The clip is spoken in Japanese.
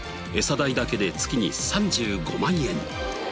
代だけで月に３５万円。